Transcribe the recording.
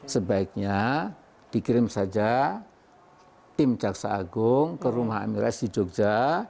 sebaiknya dikirim saja tim caksa agung ke rumah amirah s di jogja